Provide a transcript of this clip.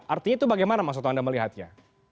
artinya itu bagaimana mas soto anda melihatnya